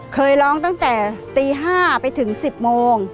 เคยร้องตั้งแต่ตี๕ไปถึง๑๐โมง